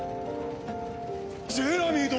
ジェラミー殿！